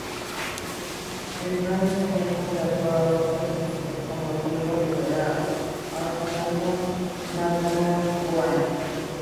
En Francia, Benton trató a otros artistas como Diego Rivera o Stanton Macdonald-Wright.